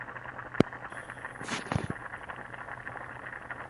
Ese mismo año la revista Paris Match le dedica un amplio reportaje.